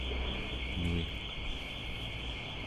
nuiq